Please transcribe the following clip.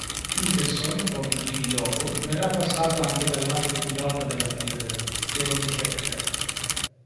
Peterson, pochi giri dopo, verrà passato anche dall'altro pilota della Tyrrell, Jody Scheckter.